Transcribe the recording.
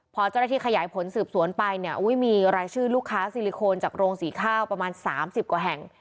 พอเจ้าหน้าที่ขยายผลสืบสวนไปเนี่ยมีรายชื่อลูกค้าซิลิโคนจากโรงสีข้าวประมาณ๓๐กว่าแห่ง